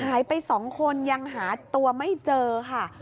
หายไป๒คนยังหาตัวไม่เจอค่ะ